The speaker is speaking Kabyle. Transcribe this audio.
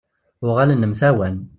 Uɣalen mtawan.